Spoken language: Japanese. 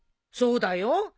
そうだよ。